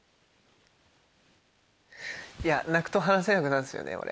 泣くと話せなくなるんすよね俺。